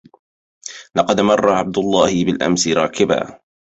لقد مر عبد الله بالأمس راكبا